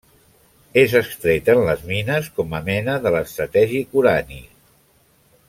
És extret en les mines com a mena de l'estratègic urani.